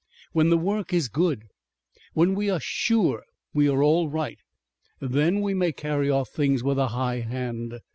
When the work is good, when we are sure we are all right, then we may carry off things with a high hand.